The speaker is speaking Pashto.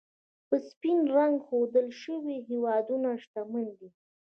په سپین رنګ ښودل شوي هېوادونه، شتمن دي.